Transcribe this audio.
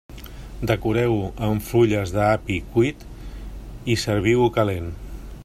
Decoreu-ho amb fulles d'api cuit i serviu-ho calent.